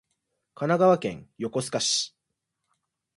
神奈川県横須賀市